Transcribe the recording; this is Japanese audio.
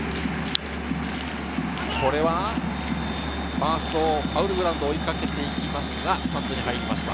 ファースト、ファウルグラウンドを追いかけて行きますが、スタンドに入りました。